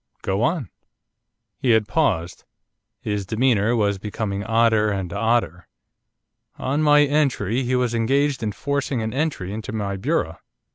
Go on.' He had paused. His demeanour was becoming odder and odder. 'On my entry he was engaged in forcing an entry into my bureau.